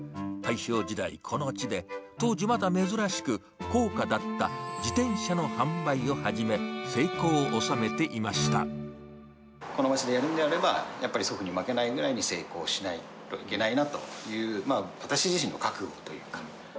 大正時代、この地で、当時まだ珍しく、高価だった自転車の販売を始め、この町でやるんであれば、やっぱり祖父に負けないぐらい成功しないといけないなという、私自身の覚悟というか。